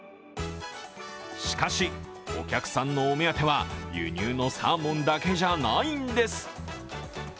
しかし、お客さんのお目当ては輸入のサーモンだけじゃないんです。